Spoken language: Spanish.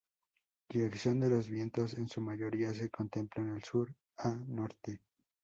Dirección de los vientos: en su mayoría se contemplan de sur a norte.